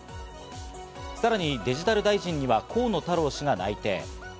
さらにデジタル大臣には河野太郎氏が内定。